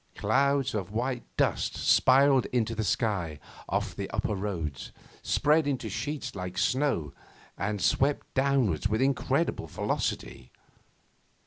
Clouds of white dust spiralled into the sky off the upper roads, spread into sheets like snow, and swept downwards with incredible velocity.